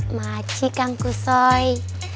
makasih kang kusoy